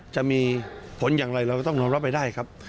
จะมีผลอย่างไรเราก็ต้องยอมรับไปได้ครับ